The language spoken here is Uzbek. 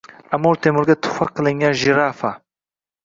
Amir Temurga tuhfa qilingan jirafa